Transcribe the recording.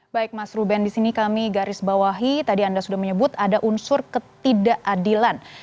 baik mas ruben di sini kami garis bawahi tadi anda sudah menyebut ada unsur ketidakadilan